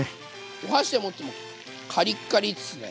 お箸で持ってもカリカリですね。